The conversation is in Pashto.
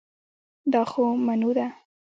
دا خو منو ده